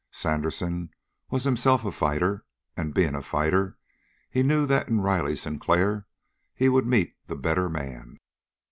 Sandersen was himself a fighter, and, being a fighter, he knew that in Riley Sinclair he would meet the better man.